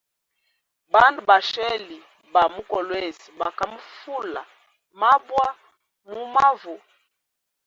Bandu basheli ba mu Kolwezi bakamufula mabwa mumavu.